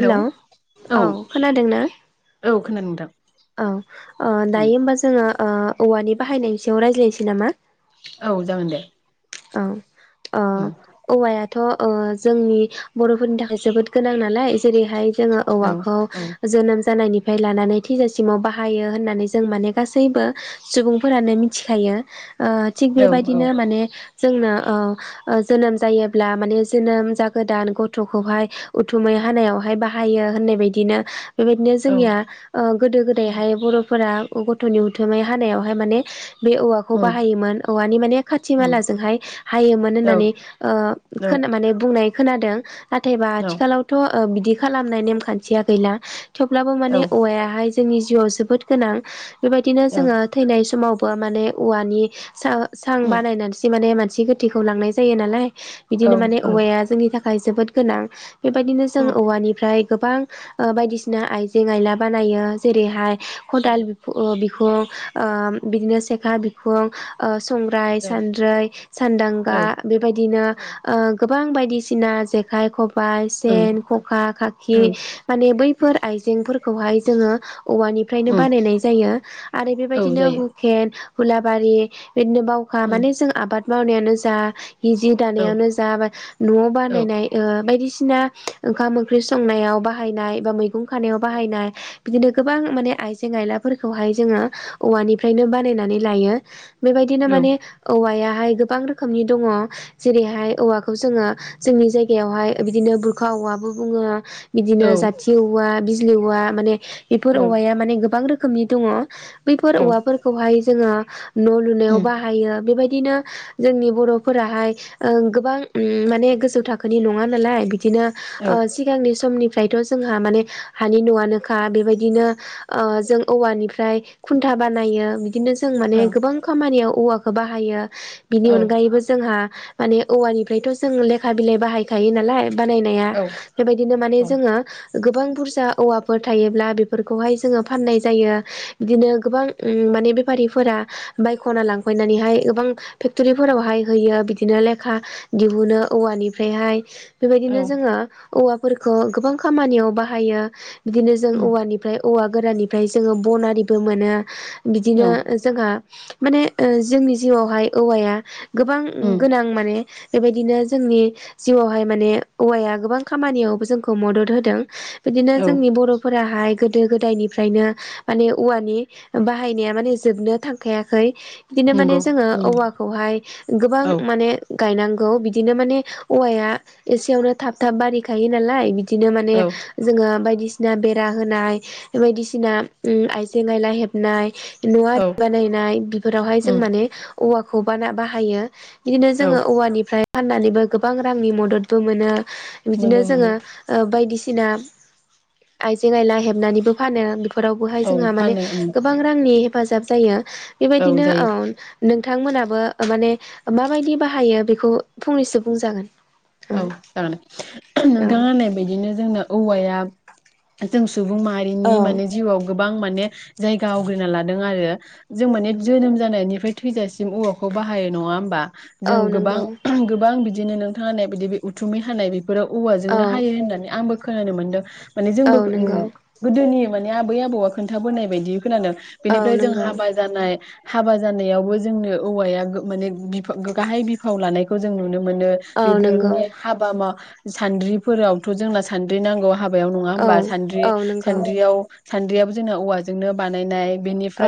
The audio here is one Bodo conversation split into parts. हेलौ औ खोनादों ना? औ खोनादों नोंथां औ उम दायो होमबा जोङो ओ औवानि बाहायनायनि सायाव रायज्लायनोसै नामा? औ जागोन दे । औ आ औवायाथ' थ' ओ जोंनि बर'फोरनि थाखाय जोबोद गोनां नालाय जेरैहाय जोङो औ औवाखौ औ जोनोम जानायनि फ्राय लानानै थैजासिमाव बाहायो होननानै जों माने गासैबो सुबुंफोरानो मिथिखायो । थिग औ औ बेबायदिनो माने जोंनो जोनोम जायोब्ला माने जोनोम जागोदान गथ'खौहाय उथुमै हानायावहाय बाहायो होननाय बायदिनो बेबायदिनो औ जोंनिया गोदो उम गोदायहाय बर' फोर गथ'नि उथुमै हानायावहाय माने बे औवाखौ उम बाहायोमोन औवानि माने खाथि उम मालाजोंहाय हायोमोन औ होननानै ओ औ खोन माने बुंनाय खोनादों । नाथायबा औ आथिखालावथ' बिदि खालामनाय नेम खान्थिया गैला । थेवब्लाबो औ माने हाय जोंनि जिउआव जोबोद गोनां । बेबायदिनो जोङो थैनाय समाव औवा माने औवानि स सां उम बानायनानैसो माने मानसि गोथैखौ लांनाय जायो नालाय । औ बिदिनो माने औ औवाया जोंनि थाखाय थाखाय जोबोद गोनां बेबायदिनो जों औवानिफ्राय गोबां बायदिसिना आइजें आइला बानायो जेरैहाय खदाल बिफु बिखुं । ओ बिदिनो सेखा बिखुं ओ संराय सानद्रै औ सानदांगा बेबायदिनो औ ओ गोबां गोबां बायदिसिना जेखाइ खब बाय, उम सेन, खखा, खाखि, उम माने बैफोर आइजेंफोर बेहाय जोङो औवानिफ्रायनो उम बानायनाय जायो आरो औ बेबायदिनो जायो हुकेन हुलाबारि बिदिनो बावखा उम माने जों आबाद मावनायानो जा, हि जि औ दानायावनो जा बा न' औ बानायनाय ओ बायदिसि ना ओंखाम ओंख्रि संनायाव बाहायनाय बा मैगं खा औ बाहायनाय बिदिनो गोबां माने आइ आइजें आइलाफोरखौहाय जोङो औवानिफ्रायनो बानायनानै लायो, बेबायदिनो औ उम माने औवाया हाय गोबां रोखोमनि दङ जेरैहाय औवाखौ जोङो जोंनि जायगायावहाय बिदिनो बुरखा औवाबो बुङो औ बिदिनो जाथि औवा बिज [unintelligible] माने बेफोर औ औवाया माने गोबां रोखो रोखोमनि दङ बैफोर औ औवाफोरखौहाय जोङो, न' लुनायाव बाहायो बेबायदिनो जोंनि बर'फोराहाय ओ गोबां उम माने गोजौ थाखोनि नङा नालाय, बिदिनो ओ सिगांनि समनिफ्रायथ' जोंहा माने, हानि न'आनोखा बेबायदिनो ओ जों औवानिफ्राय खुन्था बानायो बिदिनो जों माने गोबां खामानियाव, औवाखौ बाहायो बिनि अनगायैबो जोंहा माने औवानिफ्रायथ' जों लेखा बिलाइ बाहायखायो नालाय बानायनाया बेबायदिनो माने जोङो, गोबां बुर सा औवाफोर थायोब्ला बेफोरखौहाय जोङो फाननाय जायो बिदिनो गोबां माने बेफारिफोरा बायख'ना लांफैनानैहाय गोबां फेक्टरिफोरावहाय होयो बिदिनो लेखा दिहुनो औवानिफ्रायहाय, बेबायदिनो जोङो, औवाफोरखौ गोबां खामानियाव बाहायो, बिदिनो जों उम औवानिफ्राय औवा गोराननिफ्राय जोङो बन आरिबो मोनो, औ बिदिनो जोंहा माने जोंनि जिउआवहाय औवाया, गोबां उम गोनां माने बेबायदिनो जोंनि जिउआवहाय माने औवाया गोबां खामानियाव जोंखौ मदद होदों औ जोंनि बरफोराहाय गोदो गोदायनिफ्रायनो माने औवानि बाहायनाया माने जोबनो थांखायाखै बिदिनो माने नंगौ जोङो उम औवाखौहाय गोबां औ माने गायनांगौ बिदिनो माने औवाया एसेयावनो थाब थाब बारिखायो नालाय बिदिनो माने औ जोङो बायदि बायदिसिना बेरा होनाय बायदिसिना ओ आइजें आयला हेबनाय न आरि औ बानायनाय बेफोरावहाय उम जों माने औवाखौ खौ बाना बाहायो बिदिनो औ जोङो औवानिफ्राय फाननानैबो गोबां रांनि मददबो मोनो बिदिनो मोनो मोनो जोङो ओ बायदिसिना [unintelligible] आइजें आइला हेबनानैबो फानो फोरावबोहाय औ जोंहा माने फानो ओं गोबां रांनि हेफाजाब जायो औ बेबायदिनो ओ जायो नोंथांमोनहाबो माने माबायदि बाहायो बेखौ फंनैसो बुंजागोन औ जागोन औ नोंथाङा होननाय बायदिनो जों औवाया जों सुबुं औ माहारिनि माने जिउआव गोबां गोबां माने जायगा आवग्रिना लादों आरो जों माने जोनोम जानायनिफ्राय थैजासिम औवाखौ बाहायो नङा होमबा औ जों गोबां नंगौ गोबां बिदि बिदिनो नोंथाङा ने बिदि बे उथुमै हानाय फोराव औ औवाजोंनो हायो होननानै आंबो खोनानो मोनदों माने जोंबो औ नंगौ गोदोनि माने आबै आबौआ खोनथाबोनाय बायदि खोनादों औ बेनिफ्राय जों नंगौ हाबा जानाय हाबा जानायावबो जोंनो औवाया माने बिफा गाहाय बिफाव लानायखौ जों नुनो मोनो मोनो औ बे [unintelligible] नंगौ हाबा मा। सानद्रिफोरावथ' जोंना सानद्रि नांगौ। हाबायाव नङा औ होमबा सानद्रि औ नंगौ सान्द्रियाव सान्द्रियाबो जोंना औवाजोंनो बानायनाय।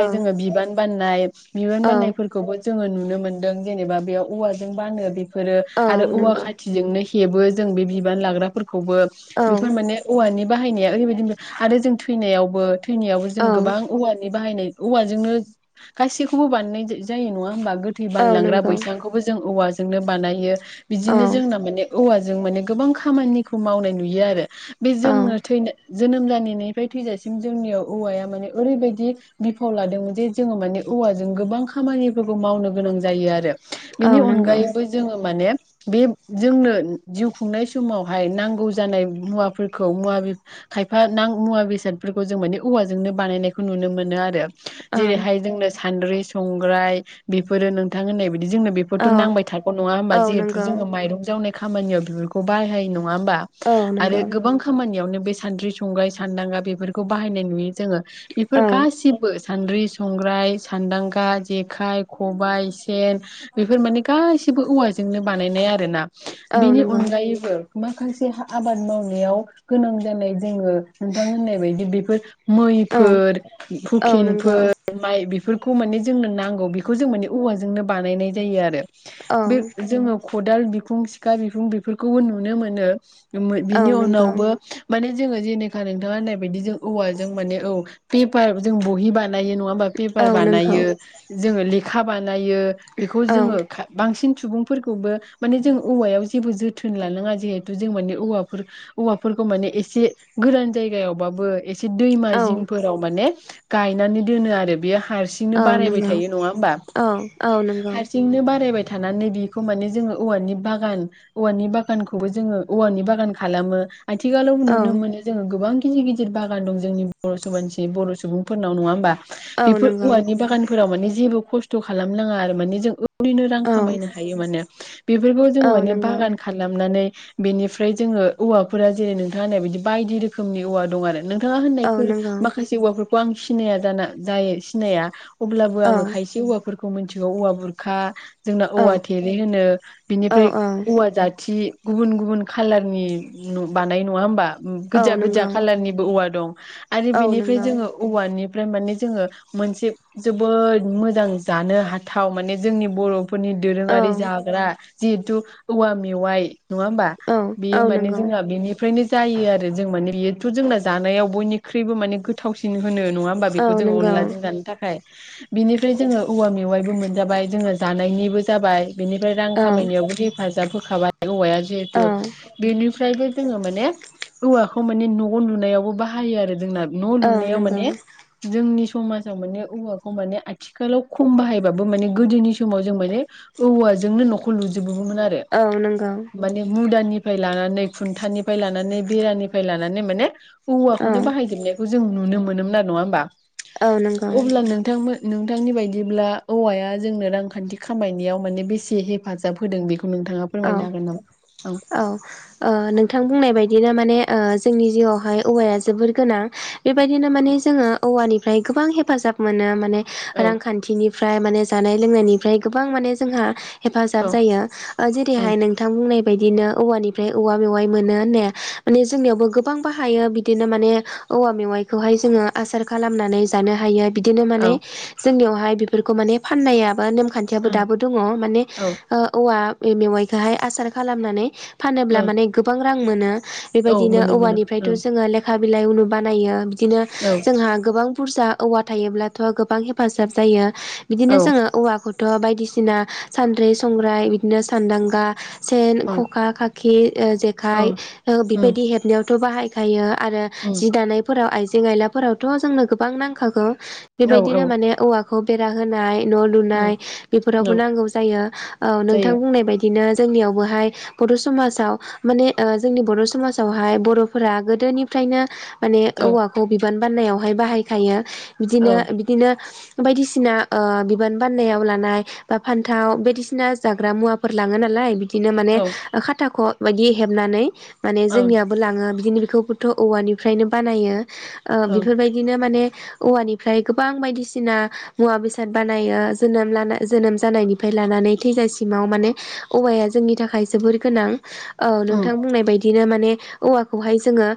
औ जोङो बिबान बाननाय बिबान औ बाननायफोरखौबो जोङो नुनो मोनदों जेनेबा बेयाव औवाजों बानो। बे फोरो औ आरो औवा नंगौ खाथिजोंनो हे हेबो जों बे बिबान लाग्राफोरख खौबो औ बेफोर मान औवानि बाहायनाया ओरैबायदि आरो जों थैनायावबो थैनायावबो औ जों गोबां औवानि बाहायनाय औवाजोंनो गासैखौबो बानायनाय जा-जायो नङा होनबा? गोथै औ बानलांग्रा नंगौ बैसांखौबो जों औवा जोंनो बानायो। औ बिदिनो जोंना माने औवाजों माने गोबां खामानिखौ मावनाय नुयो आरो। बे औ जोङो थैनो जोनोम जानायनिफ्राय थैजासिम जोंनियाव औवाया माने ओरैबायदि बिफाव लादों जे जोङो माने औवाजों गोबां खामानिफोरबो मावनो गोनां जायो आरो। औ बेनि नंगौ अनगायैबो जोङो माने बे जोंनो जिउ खुंनाय समावहाय नांगौ जानाय मुवाफोरखौ मुवा खायफा नां मुवा बेसादफोरखौ जों माने औवाजोंनो बानायनायखौ नुनो मोनो आरो। औ जेरैहाय जोंनो सान्द्रि, संग्राय बेफोरो नोंथां होननाय जोंनो औ बेफोरथ' नांबाय थागौ नङा औ होनबा जे नंगौ जोङो माइरं जावनाय खामानियाव बेफोरखौ बाहायो नङा होनबा औ नंगौ आरो गोबां खामानियावनो बे सानद्रि, संग्राय, सान्दांगा बेफोरखौ बाहायनाय नुयो। जोङो औ बेफोर गासिबो सान्द्रि संग्राय सान्दांगा जेखाइ खबाइ सेन बेफोर माने गासिबो औवाजोंनो बानायनाय आरो ना। औ बिनि नंगौ अनगायैबो माखासे आबाद मावनायाव गोनां जानाय जोङो नोंथां होननाय बायदि बेफोर औ मैफोर औ नंगौ औ हुकेनफोर माइ बे फोरखौ माने जोंनो नांगौ बेखौ जों माने औवाजोंनो बानायनाय जायो आरो। बे जोङो। खदाल बिखुं सिखा बिखुं बेफोरखौबो नुनो मोनो। [unintelligible] औ बिनि नंगौ उनावबो माने। जोङो जेनेखा नोंथाङा होननाय बायदि जों औवा जों माने औ पेपार जों बहि बा नायो नङा होनबा पेपार औ नंगौ बानायो जोङो लेखा बानायो बेखौ जोङो औ खा बांसिन सुबुंफोर खौबो माने जों औवायाव जेबो जोथोन लानाङा जेहुते जों [unintelligible] औवाफोर औवाफोरखौ माने एसे गोरान जायगायाव बाबो ए एसे दैमा औ जिंफोराव माने। गायनानै दोनो आरो बेयो। हारसिंनो औ बारायबाय नंगौ थायो नङा होमबा औ नंगौ औ हारसिंनो बारायबाय थानानैै बि खौ माने जोङो औवानि बागान औवानि बागानखौबो जोङो औवानि बागान खालामो। आथिखालाव नुनो मोनो जोङो गोबां। गिदिर गिदिर बागान दं जोंनि बर [unintelligible] बर सुबुंफोरनाव नङा होमबा? औ नंगौ औ बेफोर नंगौ औ नंगौ औवानि बागानफोराव माने जेबो खस्थ खालामनाङा आरो माने जों। रैनो रां खामायनो। औ थायो माने बेफोरखौ जोङो माने औ बागान खालामनानै। बेनिफ्राय जोङो औवाफोरा जेरै नोंथां होन्नाय बिदि बायदि रोखोमनि औवा दं आरो नों। थाङा होननायफोर माखासे औवाफोरखौ आं। सिनाया जाना जायो सिनाया। अब्लाबो आङो खायसे औवाफोरखौ मोनथि बे औवा बुरखा। जोंना औ औवा। थेरे होनो बिनिफ्राय औवा जाथि। गुबुन गुबुन खाालारनि बानाय नङा होमबा? औ औ गोजा गोजा नंगौ कालारनिबो औवा। दं आरो औ बेनिफ्राय नंगौ जोङो औवानि। ओमफ्राय माने जोङो मोनसे जोबोद मोजां जानो हाथाव माने जोंनि बर'फोरनि। औ दोरोङारि जाग्रा। जिहेतु औवा मेवाइ। नङा होमबा औ औ बेयो माने नंगौ जोंना बेनिफ्रायनो। जायो आरो जों माने बेथ' जोंना जानायाव बयनिख्रुइबो माने गो थावसिन होनो नङा होमबा औ बेखौ जोङो नंगौ अनलाजों जानो थाखाय। बिनिफ्राय जोङो औवा मेवाइबो मोनजाबाय जोङो जानायनिबो जाबाय बेनिफ्राय रां औ खामायनायावबो हेफाजाब होखाबाय औवाया जिहेथु औ बेनि फ्रायबो जोङो माने औवाखौ माने न' लुनायावबो बाहायो आरो जोंना। न' औ लुनायाव नंगौ माने जोंनि समाजाव माने औवाखौ माने आथिखालाव खम बाहायबाबो माने गोदोनि समाव जों माने औवाजोंनो न'खौ लुजो बोमोन आरो औ नंगौ माने मुदानि फ्राय लानानै खुन्टानि फ्राय लानानै बेरानिफ्राय लानानै नानै माने औ औवाखौनो बाहायजोबनायखौ जों नुनो मोनोमोन न नङा होमबा। औ नंगौ अब्ला नोंथांमोन नोंथांनि बायदिब्ला औवाया जोंनो रांखान्थि खा मायनायाव माने बेसे हेफाजाब होदों बेखौ नोंथाङा औ फोरमायनो हागोन नामा? ओं औ ओ नोंथां बुंनाय बाय दिनो माने जोंनि जिउआवहाय औवाया जोबोर गोनां। बेबायदिनो माने जोङो औवानिफ्राय गोबां हेफाजाब मोनो माने औ रांखान्थिनिफ्राय माने जानाय लोंनायनिफ्राय गोबां माने जोंहा हेफाजाब औ जायो। ओ ओं जेरैहाय नोंथां बुंनाय बायदिनो औवानिफ्राय औवा मेवाइ मोनो होननाया माने जोंनियावबो गोबां बाहायो बिदिनो माने औवा मेवाइखौहाय जोङो आसार खालामनानै जानो हायो। बिदिनो औ माने जोंनियावहाय फोरखौ माने फाननायाबानो खान्थियाबो ओं दाबो दङ माने औ ओ औवा बे मेवाइखौहाय आसार खालामनानै फानोब्ला ओं माने गोबां रां मोनो। औ बेबायदिनो मोनो मोनो औवानिफ्रायथ' ओं जोङो लेखा बिलाइ उनु बानायो । बिदिनो औ जोंहा गोबां बुरजा औवा थायोब्लाथ' गोबां हेफाजाब जायो। बिदिनो औ जोङो औवाखौ थ' बायदिसिना सानद्रि संग्राय बिदिनो सानदांगा सेन, ओं खखा, खाखि, ओ जेखाइ ओं ओ उम बेबायदि हेबनायावथ' बाहाय गायो आरो उम जि दानायफोराव आइ आइजें आइला फोरावथ' जोंनो गोबां नांखागौ, औ बेबायदिनो औ माने औवा खौ बेरा होनाय न' उम लुनाय बेफोरावबो औ नांगौ जायो औ नों जायो बुंनाय बायदिनो जोंनियावबोहाय बर' समाजाव माने ओ जोंनि बर' समाजावहाय बर'फोरा गोदोनिफ्रायनो माने औ औवाखौ बिबान बाननायावहाय बाहायखायो। बिदिनो औ बिदिनो बायदिसिना ओ बिबान बान्नायाव लानाय बा फान्थाव बायदिसिना जाग्रा मुवाफोर लाङो नालाय बिदिनो माने औ खाथाख' बायदि हेबनानै माने ओं जोंनियाबो लाङो बिदिनो बेखौबोथ' औवानिफ्रायनो बानायो। ओ ओं बेफोरबायदिनो माने औवानिफ्राय गोबां बायदिसिना मुवा बेसाद बानायो जोनोम ला जोनोम जानायनिफ्राय लानानै थैजासिमाव माने औवाया जोंनि थाखाय जोबोर गोनां। औ उम नोंथां बुंनाय बायदिनो मा बे औवाखौहाय जोङो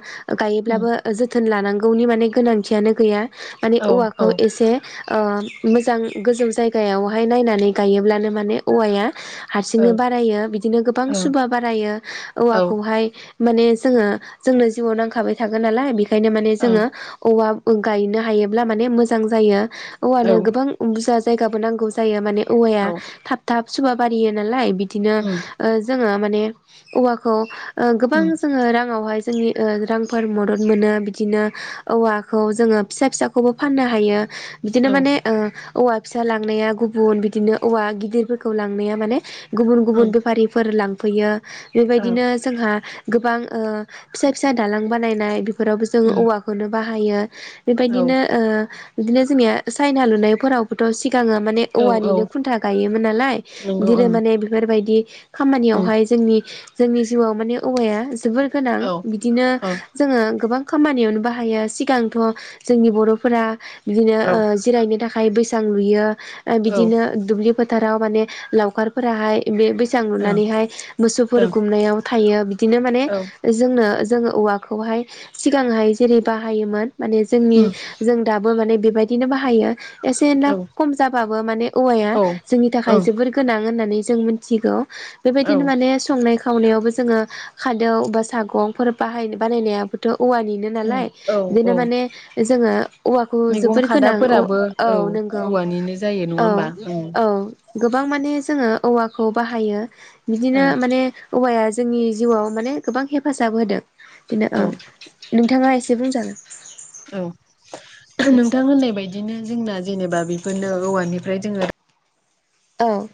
उम गायोब्लाबो जोथो जोथोन लानांगौनि माने गोनांथियानो गैया। माने औ औ औवाखौ एसे। ओ मोजां गोजौ जायगायावहाय नायनानै गायोब्लानो माने औवाया औ हारसिंनो ओं बारायो बिदिनो गोबां सुबा बारायो औ औवाखौहाय माने जोङो जोंनो जिउआव नांखाबाय थागोन नालाय बेख ओंखायनो माने जोङो औवा गायनो हायोब्ला माने मोजां जायो। औवानो ओं गोबां बुरजा जायगाबो नांगौ जायो माने औवाया औ थाब थाब सुबा बारियो नालाय बिदि उम बिदिनो जोङो माने औवाखौ गोबां उम जोङो राङावहाय जोंनि रांफोर मदद मोनो बिदिनो औवाखौ जोङो फिसा फिसाखौबो फाननो हायो बिदिनो औ ओं माने ओ औवा फिसा लांनाया गुबुन बिदिनो औवा गिदिरफोर खौ लांनाया माने गुबुन औ गुबुन बेफारिफोर लां फैयो बेबायदिनो जोंहा गोबां फिसा फिसा दालां बानायनाय बेफोरावबो जों उम औवाखौनो बाहायो थायो औ बेबायदिनो बिदिनो जोंनिया साइना लुनायफोरावबोथ' सिगाङो माने औ औवानिनो औ खुन्था गायोमोन नालाय नंगौ बिदिनो ओं माने बेफोरबायदि उम खामानियावहाय जोंनि जोंनि जिउआव माने औवाया जोबोर गोनां औ बिदिनो औ जोङो गोबां खामानियावनो बाहायो सिगांथ' जोंनि बर'फोरा बिदिनो औ जिरायनो थाखाय आखाइ बैसां लुयो औ बिदिनो दुब्लि फोथाराव माने लावखारफोराहाय बे बैसां ओं लुनानैहाय मोसौफोर ओं गुमनायाव थायो बिदिनो माने औ जोंनो जोङो औवाखौहाय माने जोंनि उम जों दाबो माने बेबायदिनो बाहायो एसे एनला औ खम जाबाबो माने औवाया ओं जोंनि थाखाय गोनां होननानै जों मोनथिगौ औ बेबायदिनो माने संनाय खावनायावबो जोङो खादौ बा सागंफोर बाहायनो बानायनायाबोथ' औवानिनो नालाय उम औ बिदिनो औ माने जोङो औवाखौ मैगं जोबोर गोनां औ खादाफोराबो औ नंगौ औवानिनो जायो नङा औ होमबा ओं औ गोबां माने जोङो औवाखौ बाहायो। बिदिनो माने औवाया जोंनि जिउआव माने गोबां हेफाजाब होदो। बिनो ओ ओं नों थाङा एसे बुंजागोन। औ नोंथां होननाय बायदिनो जोंना जेनेबा बेफोरनो औवानिफ्राय जोङो औ